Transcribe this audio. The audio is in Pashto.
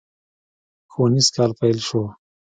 ښوونيز کال پيل شو.